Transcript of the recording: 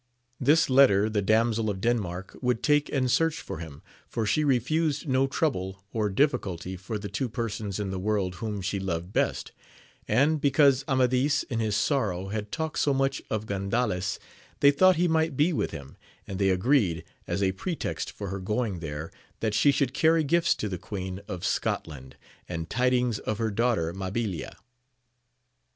This letter the Damsel of Denmark would take and search for him, for she refused no trouble or difficulty for the two persons in the world whom she loved best ; and, because Amadis in his sorrow had talked so much of Gandales, they thought he might be with him; and they agreed, as a pretext for her going there, that she should carry gifts to the queen of Scotland, and tidings of her daughter Mabilia. VOL. I. 19 290 AMADIS OF GAUL.